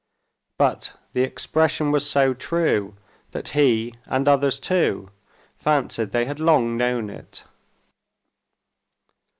But the expression was so true that he, and others too, fancied they had long known it.